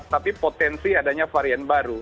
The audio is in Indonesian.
tapi potensi adanya varian baru